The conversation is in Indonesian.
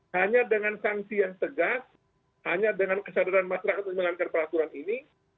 hanya dengan sanksi yang tegas hanya dengan kesadaran masyarakat untuk melanggar peraturan ini